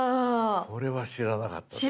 これは知らなかったよ。